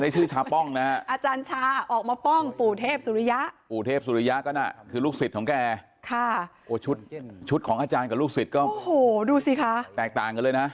ชุดของอาจารย์กับลูกศิษย์ก็แตกต่างเลยนะ